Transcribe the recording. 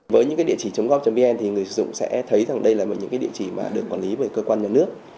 với những địa chỉ gov vn thì người dùng sẽ thấy đây là một địa chỉ được quản lý bởi cơ quan nhà nước